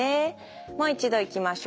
もう一度いきましょう。